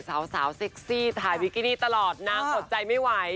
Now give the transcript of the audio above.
สาวเซ็กซี่ถ่ายวิกินี่ตลอดนางอดใจไม่ไหว